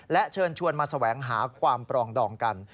และเชิญชวนมาแสวงหาความปรองดองกัน